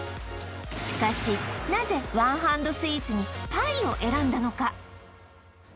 しかしなぜワンハンドスイーツにパイを選んだのか？